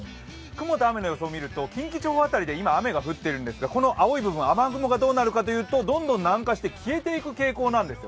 雲と雨の予想を見ると、近畿地方辺りで今雨が降っているんですがこの青い部分、雨雲がどうなっていくかというとどんどん南下して消えていく傾向なんです。